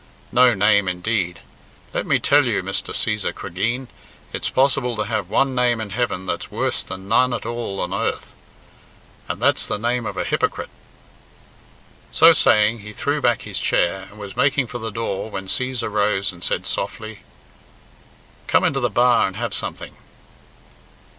No name, indeed! Let me tell you, Mr. Cæsar Cregeen, it's possible to have one name in heaven that's worse than none at all on earth, and that's the name of a hypocrite." So saying he threw back his chair, and was making for the door, when Cæsar rose and said softly, "Come into the bar and have something."